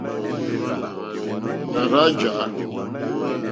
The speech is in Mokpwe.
Nà rzá jǎ.